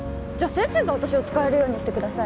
先生が私を使えるようにしてください